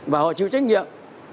và họ chịu trách nhiệm